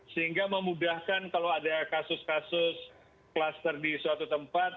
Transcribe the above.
sehingga memudahkan kalau ada kasus kasus klaster di suatu tempat